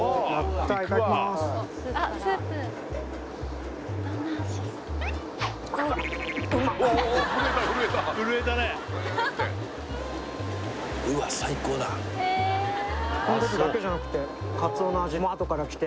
とんこつだけじゃなくてカツオの味もあとからきて